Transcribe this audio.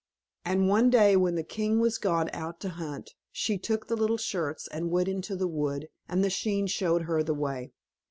And one day when the king was gone out to hunt, she took the little shirts and went into the wood, and the skein showed her the way.